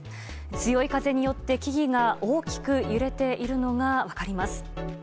強い風によって、木々が大きく揺れているのが分かります。